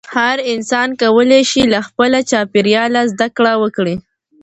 هر انسان کولی شي له خپل چاپېریاله زده کړه وکړي.